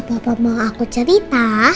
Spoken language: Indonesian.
papa mau aku cerita